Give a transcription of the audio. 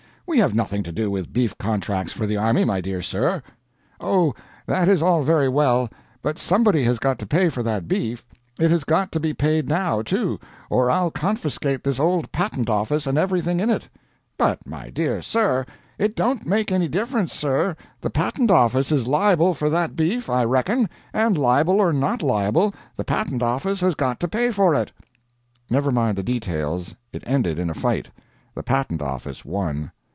We have nothing to do with beef contracts for the army, my dear sir." "Oh, that is all very well but somebody has got to pay for that beef. It has got to be paid now, too, or I'll confiscate this old Patent Office and everything in it." "But, my dear sir " "It don't make any difference, sir. The Patent Office is liable for that beef, I reckon; and, liable or not liable, the Patent Office has got to pay for it." Never mind the details. It ended in a fight. The Patent Office won.